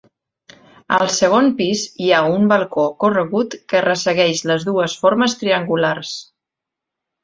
Al segon pis hi ha un balcó corregut que ressegueix les dues formes triangulars.